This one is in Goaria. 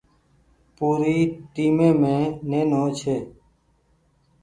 پوري ٽيمي مين نينو ڇي۔